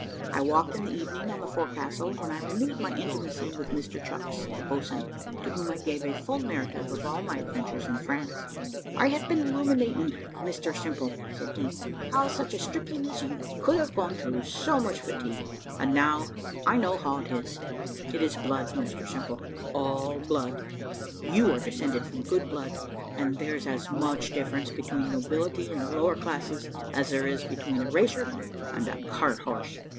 I walked in the evening on the forecastle, when I renewed my intimacy with Mr Chucks, the boatswain, to whom I gave a full narrative of all my adventures in France. "I have been ruminating, Mr Simple," said he, "how such a stripling as you could have gone through so much fatigue, and now I know how it is. It is blood, Mr Simple all blood you are descended from good blood; and there's as much difference between nobility and the lower classes, as there is between a racer and a cart horse."